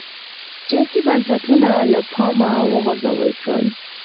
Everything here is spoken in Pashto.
سیاسي بنسټونه له پامه وغورځول شول